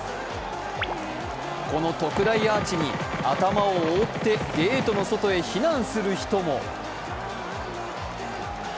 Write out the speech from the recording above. この特大アーチに頭を覆ってゲートの外へ避難する人も。